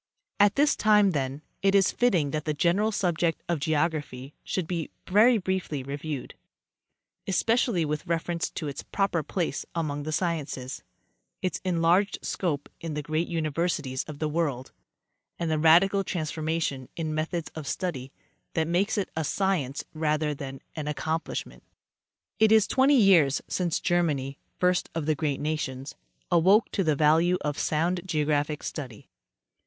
At this time, then, it is fitting that the general subject of geog raphy should be very briefly reviewed, especially with reference to its proper place among the sciences, its enlarged scope in the ereat universities of the world, and the radical transformation in methods of study that makes it a science rather than an accom plishment. It is twenty years since Germany, first of the great nations, awoke to the value of sound geographic study.